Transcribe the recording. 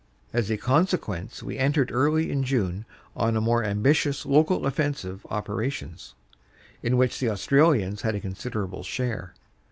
As a consequence we entered early in June on more ambit 4 CANADA S HUNDRED DAYS ious local offensive operations, in which the Australians had a considerable share.